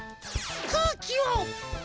くうきを！